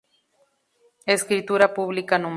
Escritura Pública No.